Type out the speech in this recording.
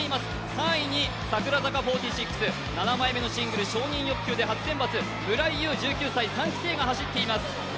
３位に櫻坂４６、７枚目のシングル「承認欲求」で初選抜村井優１９歳、３期生が走っています。